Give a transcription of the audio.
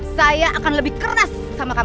saya akan lebih keras sama kamu